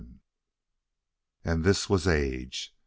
And this was age.